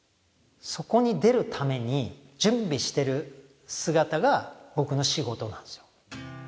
そこに出るために準備してる姿が僕の仕事なんすよ